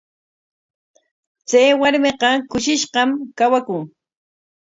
Chay warmiqa kushishqam kawakun.